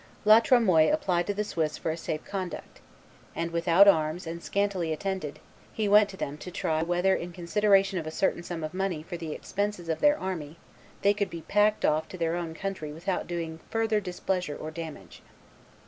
La Tremoille applied to the Swiss for a safe conduct, and "without arms and scantily attended" he went to them to try whether "in consideration of a certain sum of money for the expenses of their army they could be packed off to their own country without doing further displeasure or damage."